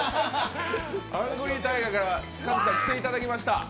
ハングリータイガーから来ていただきました。